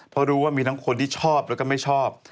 เพราะรู้ว่ามีทั้งคนที่ชอบแล้วก็ไม่ชอบ